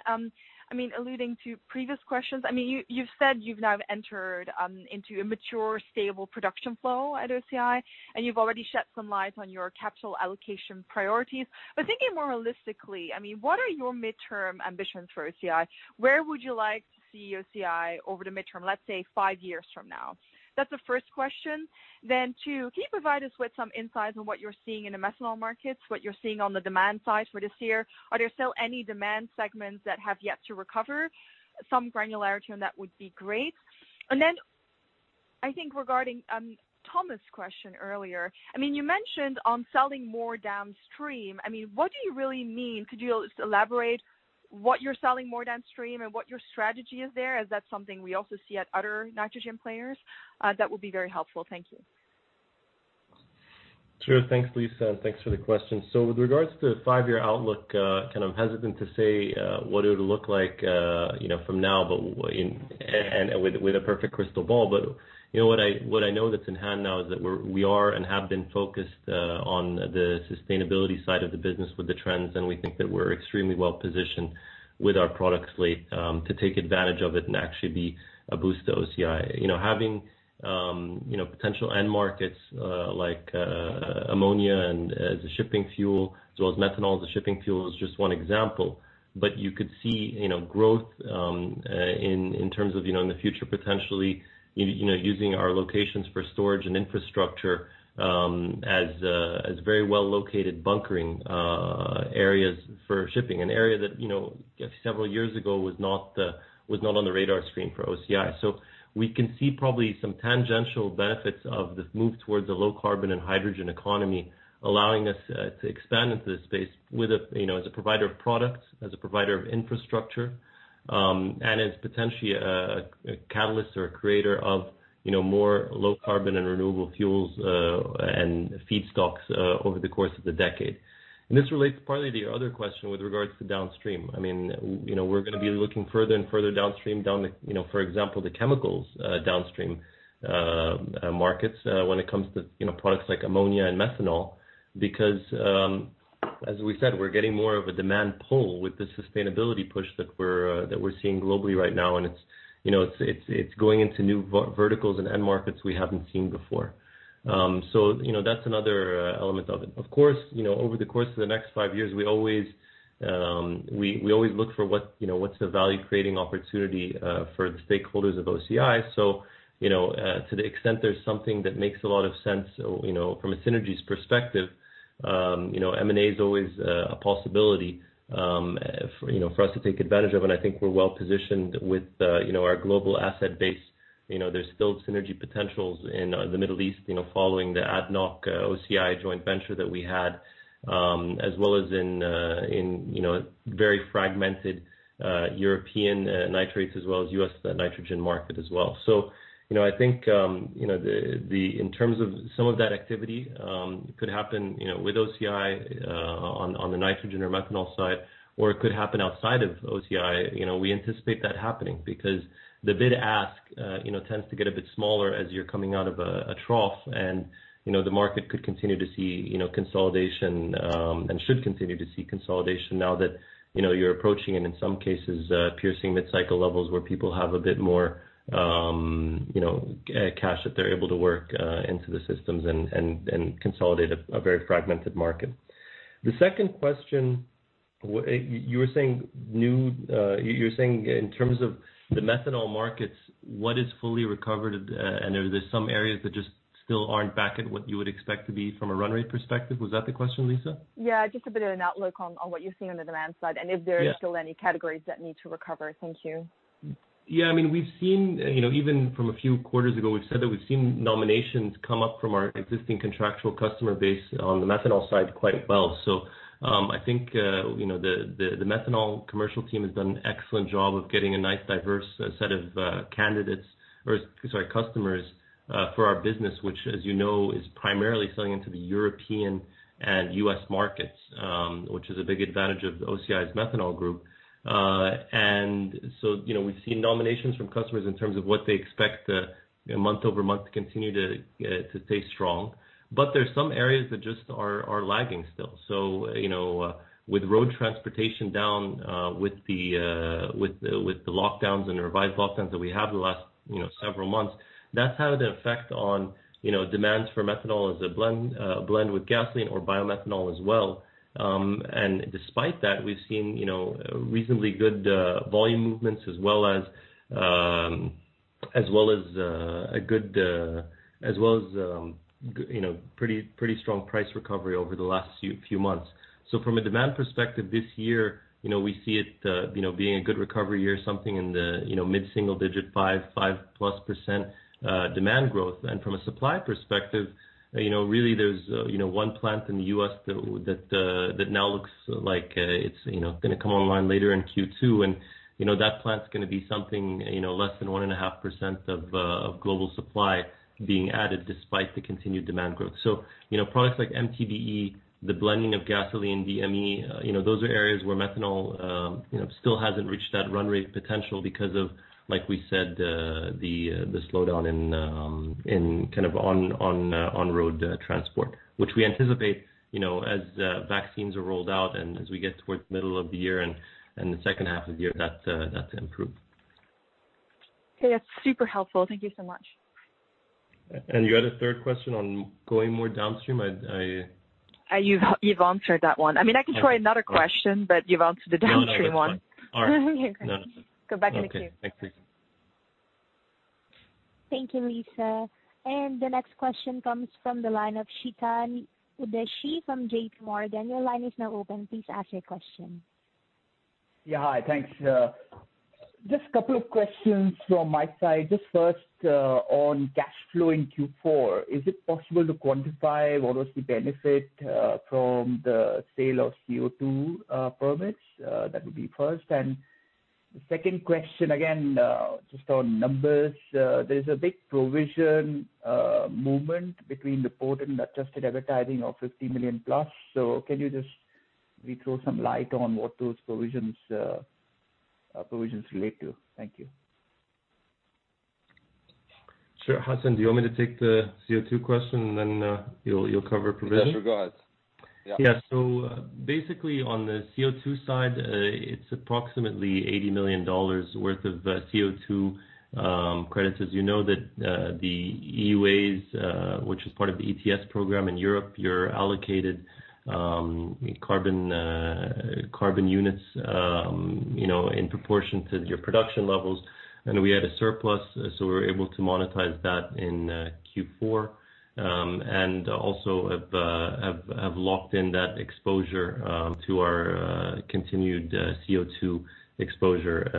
alluding to previous questions, you've said you've now entered into a mature, stable production flow at OCI, and you've already shed some light on your capital allocation priorities. Thinking more realistically, what are your midterm ambitions for OCI? Where would you like to see OCI over the midterm, let's say, five years from now? That's the first question. Two, can you provide us with some insights on what you're seeing in the methanol markets, what you're seeing on the demand side for this year? Are there still any demand segments that have yet to recover? Some granularity on that would be great. I think regarding Thomas' question earlier, you mentioned on selling more downstream. What do you really mean? Could you elaborate what you're selling more downstream and what your strategy is there? Is that something we also see at other nitrogen players? That would be very helpful. Thank you. Sure. Thanks, Lisa, and thanks for the question. With regards to five-year outlook, kind of hesitant to say what it would look like from now, and with a perfect crystal ball. What I know that's in hand now is that we are and have been focused on the sustainability side of the business with the trends, and we think that we're extremely well-positioned with our product slate to take advantage of it and actually be a boost to OCI. Having potential end markets like ammonia and the shipping fuel as well as methanol as a shipping fuel is just one example, but you could see growth in terms of in the future, potentially, using our locations for storage and infrastructure as very well-located bunkering areas for shipping. An area that several years ago was not on the radar screen for OCI. We can see probably some tangential benefits of this move towards a low carbon and hydrogen economy allowing us to expand into this space as a provider of products, as a provider of infrastructure, and as potentially a catalyst or a creator of more low carbon and renewable fuels and feedstocks over the course of the decade. This relates partly to your other question with regards to downstream. We're going to be looking further and further downstream, down the, for example, the chemicals downstream markets when it comes to products like ammonia and methanol, because as we said, we're getting more of a demand pull with the sustainability push that we're seeing globally right now, and it's going into new verticals and end markets we haven't seen before. That's another element of it. Of course, over the course of the next five years, we always look for what's the value-creating opportunity for the stakeholders of OCI. To the extent there's something that makes a lot of sense from a synergies perspective, M&A is always a possibility for us to take advantage of. I think we're well-positioned with our global asset base. There's still synergy potentials in the Middle East following the ADNOC-OCI joint venture that we had, as well as in very fragmented European nitrates as well as U.S. nitrogen market as well. I think in terms of some of that activity could happen with OCI on the nitrogen or methanol side, or it could happen outside of OCI. We anticipate that happening because the bid-ask tends to get a bit smaller as you're coming out of a trough, and the market could continue to see consolidation, and should continue to see consolidation now that you're approaching, and in some cases, piercing mid-cycle levels where people have a bit more cash that they're able to work into the systems and consolidate a very fragmented market. The second question, you were saying in terms of the methanol markets, what is fully recovered, and are there some areas that just still aren't back at what you would expect to be from a run rate perspective? Was that the question, Lisa? Yeah, just a bit of an outlook on what you are seeing on the demand side. Yeah Are still any categories that need to recover. Thank you. Yeah. Even from a few quarters ago, we've said that we've seen nominations come up from our existing contractual customer base on the methanol side quite well. I think the methanol commercial team has done an excellent job of getting a nice diverse set of customers for our business, which as you know, is primarily selling into the European and U.S. markets, which is a big advantage of OCI's methanol group. We've seen nominations from customers in terms of what they expect month-over-month to continue to stay strong. There's some areas that just are lagging still. With road transportation down, with the lockdowns and the revised lockdowns that we had the last several months, that's had an effect on demands for methanol as a blend with gasoline or biomethanol as well. Despite that, we've seen reasonably good volume movements as well as pretty strong price recovery over the last few months. From a demand perspective this year, we see it being a good recovery year, something in the mid-single digit, 5%+ demand growth. From a supply perspective, really there's one plant in the U.S. that now looks like it's going to come online later in Q2. That plant's going to be something less than 1.5% of global supply being added despite the continued demand growth. Products like MTBE, the blending of gasoline, DME, those are areas where methanol still hasn't reached that run rate potential because of, like we said, the slowdown in on-road transport. Which we anticipate as vaccines are rolled out and as we get towards the middle of the year and the second half of the year, that to improve. Okay. That's super helpful. Thank you so much. You had a third question on going more downstream? You've answered that one. I can try another question, but you've answered the downstream one. No, that's fine. All right. Okay. No. Go back to the queue. Okay. Thanks, Lisa. Thank you, Lisa. The next question comes from the line of Chetan Udeshi from JPMorgan. Your line is now open. Please ask your question. Yeah. Hi. Thanks. Just a couple of questions from my side. Just first, on cash flow in Q4, is it possible to quantify what was the benefit from the sale of CO2 permits? That would be first. The second question, again, just on numbers. There's a big provision movement between the report and adjusted EBITDA of 50+ million. Can you just throw some light on what those provisions relate to? Thank you. Sure. Hassan, do you want me to take the CO2 question and then you'll cover provision? Yes, regard. Yeah. Basically on the CO2 side, it's approximately $80 million worth of CO2 credits. As you know that the EUAs, which is part of the ETS program in Europe, you're allocated carbon units in proportion to your production levels. We had a surplus, so we were able to monetize that in Q4, and also have locked in that exposure to our continued CO2 exposure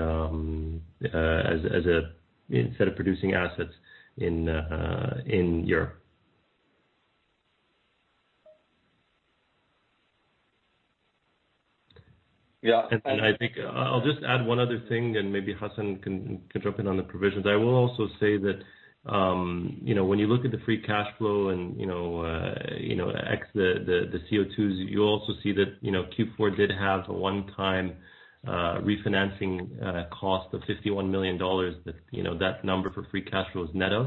as a set of producing assets in Europe. Yeah. I think I'll just add one other thing, and maybe Hassan can jump in on the provisions. I will also say that when you look at the free cash flow and ex the CO2s, you also see that Q4 did have a one-time refinancing cost of $51 million. That number for free cash flow is net of.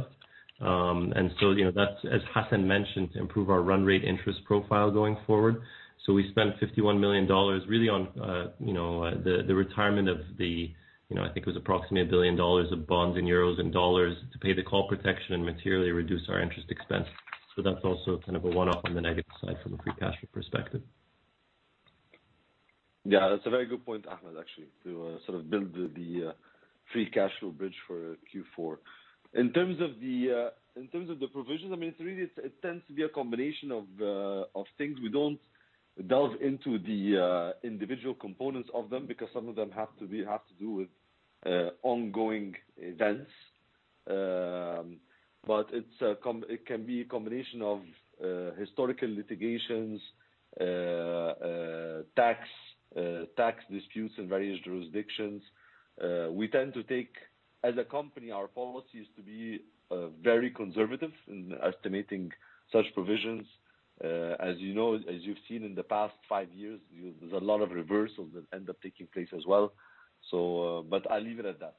As Hassan mentioned, to improve our run rate interest profile going forward. We spent $51 million really on the retirement of the, I think it was approximately $1 billion of bonds in euros and dollars to pay the call protection and materially reduce our interest expense. That's also kind of a one-off on the negative side from a free cash flow perspective. Yeah, that's a very good point, Ahmed, actually, to sort of build the free cash flow bridge for Q4. In terms of the provisions, really, it tends to be a combination of things. We don't delve into the individual components of them because some of them have to do with ongoing events. But it can be a combination of historical litigations, tax disputes in various jurisdictions. We tend to take, as a company, our policy is to be very conservative in estimating such provisions. As you've seen in the past five years, there's a lot of reversals that end up taking place as well. But I'll leave it at that.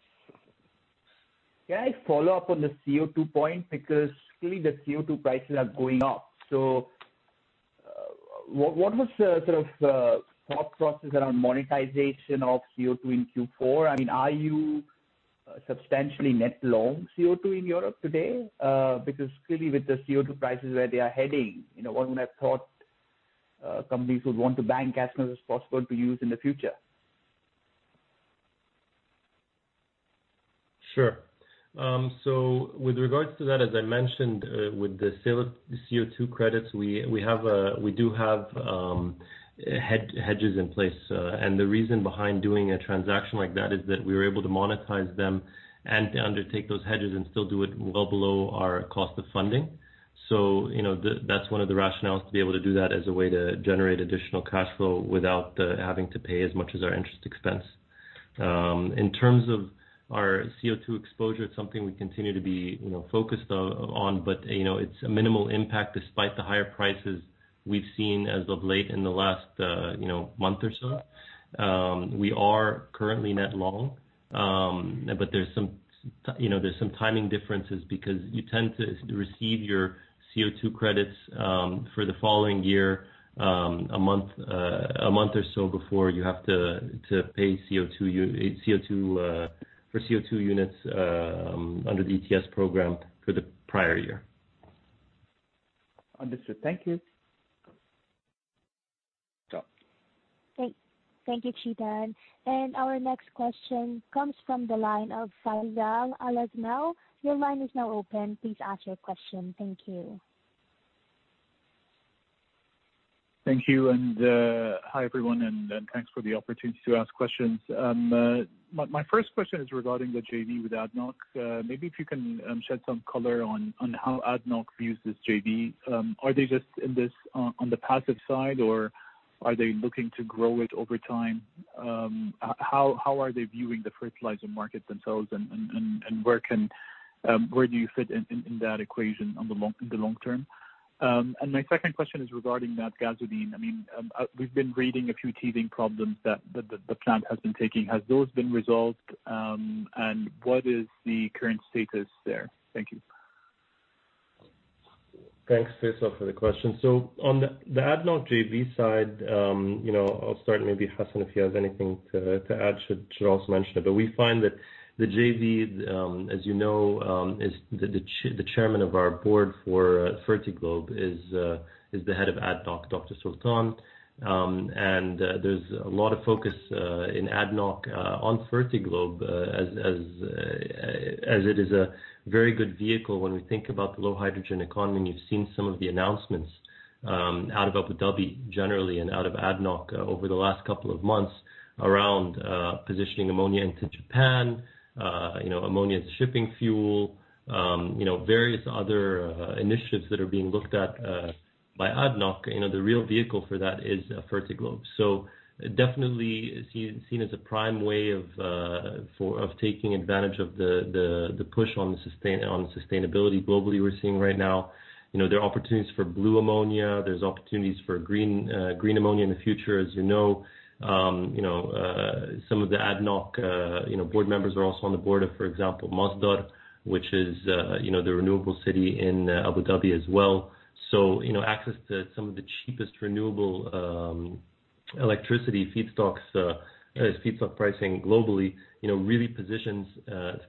Can I follow up on the CO2 point? Clearly the CO2 prices are going up. What was the sort of thought process around monetization of CO2 in Q4? Are you substantially net long CO2 in Europe today? Clearly with the CO2 prices where they are heading, one would have thought companies would want to bank as much as possible to use in the future. Sure. With regards to that, as I mentioned with the sale of the CO2 credits, we do have hedges in place. The reason behind doing a transaction like that is that we were able to monetize them and to undertake those hedges and still do it well below our cost of funding. That's one of the rationales to be able to do that as a way to generate additional cash flow without having to pay as much as our interest expense. In terms of our CO2 exposure, it's something we continue to be focused on, but it's a minimal impact despite the higher prices we've seen as of late in the last month or so. We are currently net long. There's some timing differences because you tend to receive your CO2 credits for the following year, a month or so before you have to pay for CO2 units under the ETS program for the prior year. Understood. Thank you. Sure. Great. Thank you, Chetan. Our next question comes from the line of Faisal Al Azmeh. Your line is now open, please ask your question. Thank you. Thank you. Hi, everyone, and thanks for the opportunity to ask questions. My first question is regarding the JV with ADNOC. Maybe if you can shed some color on how ADNOC views this JV. Are they just in this on the passive side, or are they looking to grow it over time? How are they viewing the fertilizer markets themselves, and where do you fit in that equation in the long term? My second question is regarding Natgasoline. We've been reading a few teething problems that the plant has been taking. Have those been resolved, and what is the current status there? Thank you. Thanks, Faisal, for the question. On the ADNOC JV side, I'll start, maybe Hassan, if he has anything to add, should also mention it. We find that the JV, as you know, the Chairman of our board for Fertiglobe is the head of ADNOC, Dr. Sultan. There's a lot of focus in ADNOC on Fertiglobe, as it is a very good vehicle when we think about the low hydrogen economy, and you've seen some of the announcements out of Abu Dhabi generally and out of ADNOC over the last couple of months around positioning ammonia into Japan, ammonia as a shipping fuel. Various other initiatives that are being looked at by ADNOC, the real vehicle for that is Fertiglobe. Definitely is seen as a prime way of taking advantage of the push on sustainability globally we're seeing right now. There are opportunities for blue ammonia, there's opportunities for green ammonia in the future. As you know, some of the ADNOC board members are also on the board of, for example, Masdar, which is the renewable city in Abu Dhabi as well. Access to some of the cheapest renewable electricity feedstocks, as feedstock pricing globally, really positions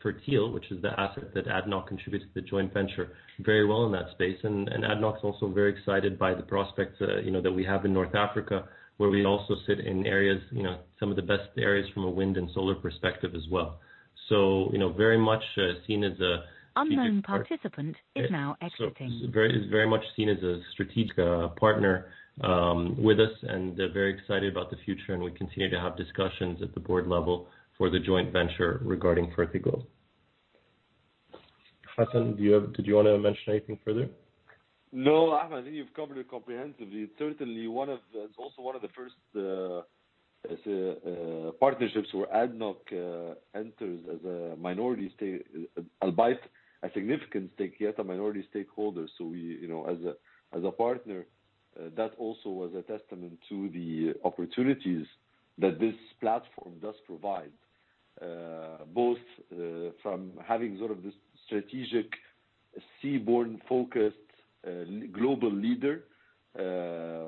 Fertil, which is the asset that ADNOC contributes to the joint venture, very well in that space. ADNOC's also very excited by the prospects that we have in North Africa, where we also sit in some of the best areas from a wind and solar perspective as well. Unknown participant is now exiting is very much seen as a strategic partner with us. They're very excited about the future. We continue to have discussions at the board level for the joint venture regarding Fertiglobe. Hassan, did you want to mention anything further? No, Ahmed, I think you've covered it comprehensively. Certainly, it's also one of the first partnerships where ADNOC enters as a minority stake, albeit a significant stake, yet a minority stakeholder. As a partner, that also was a testament to the opportunities that this platform does provide. Both from having sort of this strategic seaborne-focused global leader,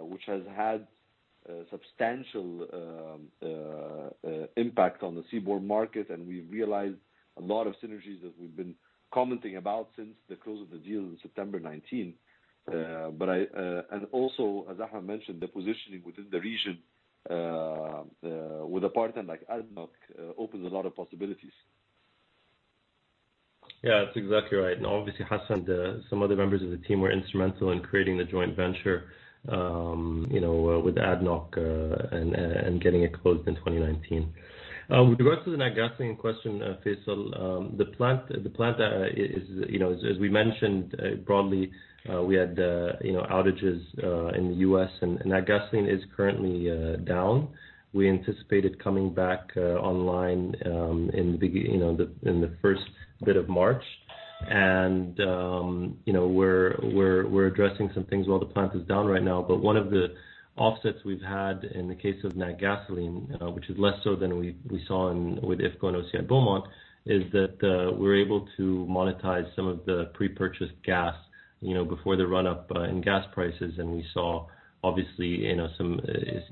which has had substantial impact on the seaborne market, and we realize a lot of synergies that we've been commenting about since the close of the deal in September 2019. Also, as Ahmed mentioned, the positioning within the region, with a partner like ADNOC, opens a lot of possibilities. Yeah, that's exactly right. Obviously, Hassan, some other members of the team were instrumental in creating the joint venture with ADNOC and getting it closed in 2019. With regards to the Natgasoline question, Faisal, the plant, as we mentioned broadly, we had outages in the U.S., and Natgasoline is currently down. We anticipate it coming back online in the first bit of March. We're addressing some things while the plant is down right now. One of the offsets we've had in the case of Natgasoline, which is less so than we saw with IFCo and OCI Beaumont, is that we're able to monetize some of the pre-purchased gas before the run-up in gas prices. We saw, obviously,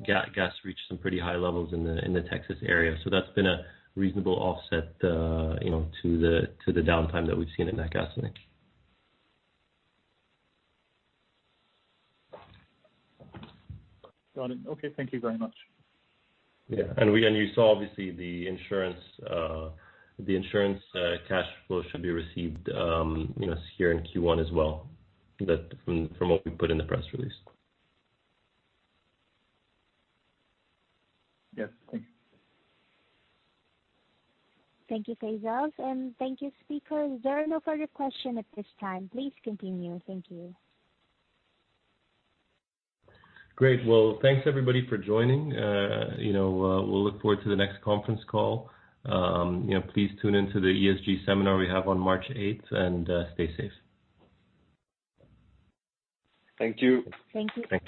gas reach some pretty high levels in the Texas area. That's been a reasonable offset to the downtime that we've seen at Natgasoline. Got it. Okay. Thank you very much. Yeah. You saw, obviously, the insurance cash flow should be received here in Q1 as well, from what we put in the press release. Yes. Thank you. Thank you, Faisal, and thank you, speakers. There are no further question at this time. Please continue. Thank you. Great. Well, thanks everybody for joining. We'll look forward to the next conference call. Please tune into the ESG seminar we have on March 8th. Stay safe. Thank you. Thank you. Thanks.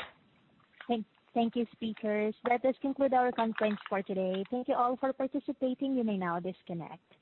Thank you, speakers. That does conclude our conference for today. Thank you all for participating. You may now disconnect.